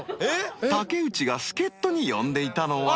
［竹内が助っ人に呼んでいたのは］